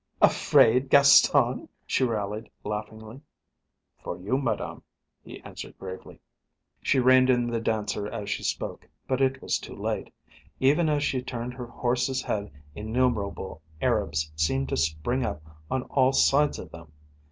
"Afraid, Gaston?" she rallied laughingly. "For you, Madame," he answered gravely. She reined in The Dancer as she spoke; but it was too late. Even as she turned her horse's head innumerable Arabs seemed to spring up on all sides of them.